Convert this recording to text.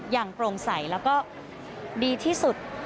โปร่งใสแล้วก็ดีที่สุด